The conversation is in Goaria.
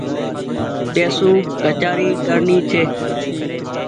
تيسو ڪچآري ڪرڻي ڇي